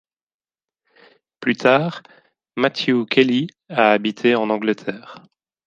Plus tard, Matthew Kelly a habité en Angleterre.